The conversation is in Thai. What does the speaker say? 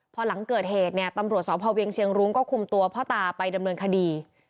พอหลังเกิดเหตุเนี่ยตำรวจสพเวียงเชียงรุ้งก็คุมตัวพ่อตาไปดำเนินคดี